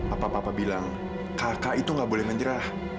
apa papa bilang kakak itu tidak boleh menyerah